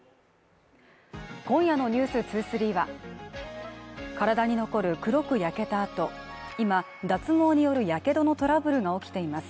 今夜の「ｎｅｗｓ２３」は体に残る黒く焼けた痕、今脱毛によるやけどのトラブルが起きています